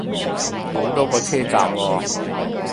好多個車站喎